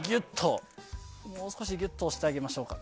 もう少しぎゅっと押してあげましょうか。